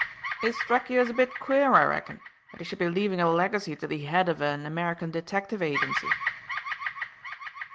"It struck you as a bit queer, I reckon, that he should be leaving a legacy to the head of an American detective agency."